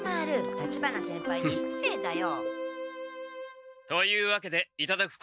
立花先輩にしつれいだよ。というわけでいただくことにした。